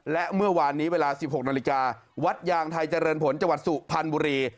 และเมื่อวานนี้เวลา๑๖นาฬิกาวัดยางไทยเจริญผลจังหวัดสุพรรณบุรี